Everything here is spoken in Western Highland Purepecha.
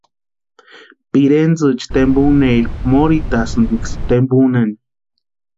Pirentsïcha tempunheri morhitatʼiksï tempunhani.